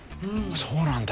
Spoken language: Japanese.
そうなんだ。